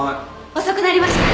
遅くなりました！